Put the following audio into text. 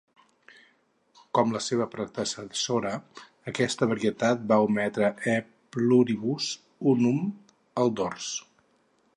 Com la seva predecessora, aquesta varietat va ometre E Pluribus Unum al dors.